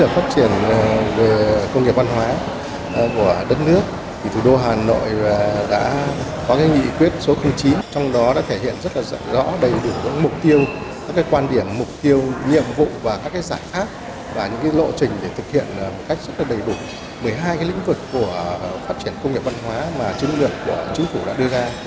phát triển công nghiệp văn hóa mà chứng lược của chính phủ đã đưa ra